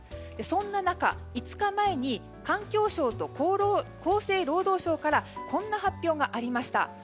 そんな中、５日前に環境省と厚生労働省からこんな発表がありました。